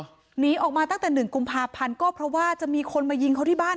หนีออกมาตั้งแต่หนึ่งกุมภาพันธ์ก็เพราะว่าจะมีคนมายิงเขาที่บ้าน